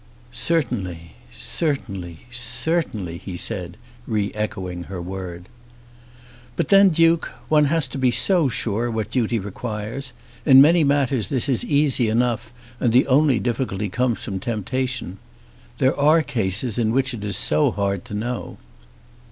"Certainly; certainly; certainly," he said, re echoing her word. "But then, Duke, one has to be so sure what duty requires. In many matters this is easy enough, and the only difficulty comes from temptation. There are cases in which it is so hard to know."